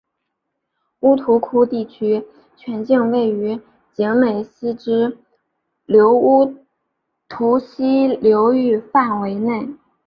乌涂窟地区全境位于景美溪支流乌涂溪流域范围内。